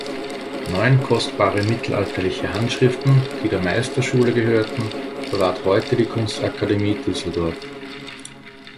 Neun kostbare mittelalterliche Handschriften, die der Meisterschule gehörten, verwahrt heute die Kunstakademie Düsseldorf.